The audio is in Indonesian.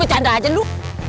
pecanda aja lu